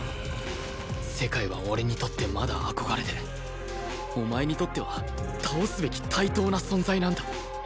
世界は俺にとってまだ「憧れ」でお前にとっては倒すべき「対等」な存在なんだ